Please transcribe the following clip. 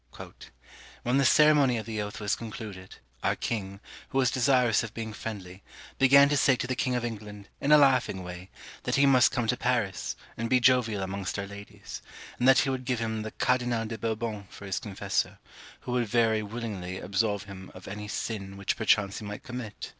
"When the ceremony of the oath was concluded, our king, who was desirous of being friendly, began to say to the king of England, in a laughing way, that he must come to Paris, and be jovial amongst our ladies; and that he would give him the Cardinal de Bourbon for his confessor, who would very willingly absolve him of any sin which perchance he might commit.